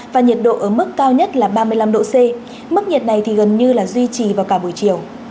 và nhiệt độ ở mức cao nhất là ba mươi năm độ c mức nhiệt này thì gần như là duy trì vào cả buổi chiều